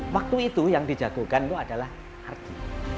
waktu itu yang dijatuhkan itu adalah harga